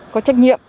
có trách nhiệm